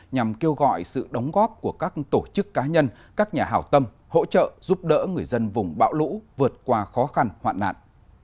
nhằm kêu gọi sự đóng góp của các tổ chức cá nhân các nhà hào tâm hỗ trợ giúp đỡ người dân vùng bão lũ vượt qua khó khăn hoạn nạn